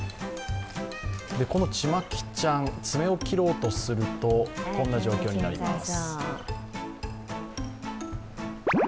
このちまきちゃん、爪を切ろうとするとこんな状況になります。